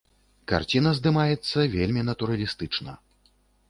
Карціна здымаецца вельмі натуралістычна.